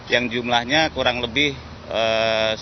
yang jumlahnya kurang lebih